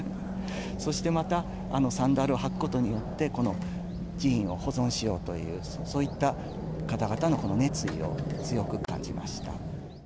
そしてまた、サンダルを履くことによって、この寺院を保存しようという、そういった方々の熱意を、強く感じました。